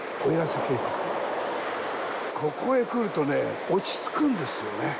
ここへ来るとね、落ち着くんですよね。